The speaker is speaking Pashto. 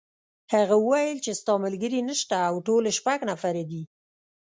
هغه وویل چې ستا ملګري نشته او ټول شپږ نفره دي.